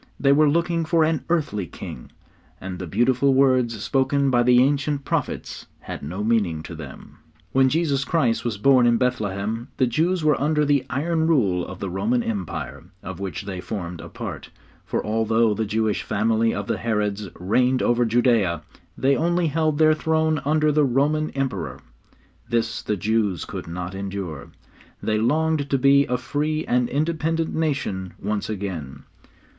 They were looking for an earthly king, and the beautiful words spoken by the ancient prophets had no meaning to them. When Jesus Christ was born in Bethlehem, the Jews were under the iron rule of the Roman Empire, of which they formed a part, for although the Jewish family of the Herods reigned over Judea, they only held their throne under the Roman Emperor. This the Jews could not endure. They longed to be a free and independent nation once again.